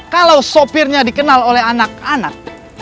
kalau sopirnya dikenal oleh anak anak